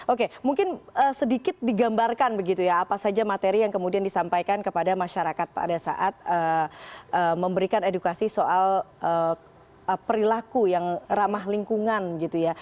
oke mungkin sedikit digambarkan begitu ya apa saja materi yang kemudian disampaikan kepada masyarakat pada saat memberikan edukasi soal perilaku yang ramah lingkungan gitu ya